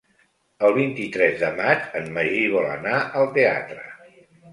El vint-i-tres de maig en Magí vol anar al teatre.